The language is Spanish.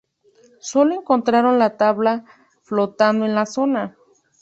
Solo encontraron la tabla flotando en la zona.